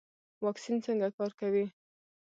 واکسین څنګه کار کوي؟